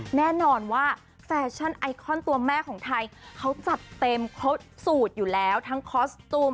แน่นอนว่าแฟชั่นไอคอนตัวแม่ของไทยเขาจัดเต็มครบสูตรอยู่แล้วทั้งคอสตูม